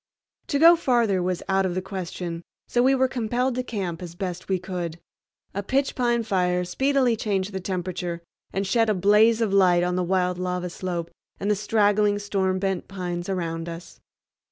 To go farther was out of the question, so we were compelled to camp as best we could. A pitch pine fire speedily changed the temperature and shed a blaze of light on the wild lava slope and the straggling storm bent pines around us.